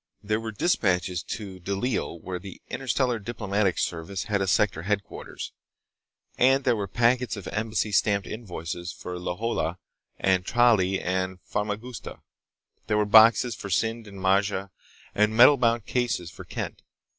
There were dispatches to Delil, where the Interstellar Diplomatic Service had a sector headquarters, and there were packets of embassy stamped invoices for Lohala and Tralee and Famagusta. There were boxes for Sind and Maja, and metal bound cases for Kent.